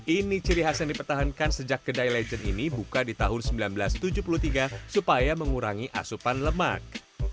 ini ciri khas yang dipertahankan sejak kedai legend ini buka di tahun seribu sembilan ratus tujuh puluh tiga supaya mengurangi asupan lemak